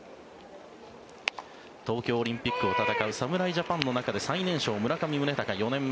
東京オリンピックを戦う侍ジャパンの中で最年少、村上宗隆４年目。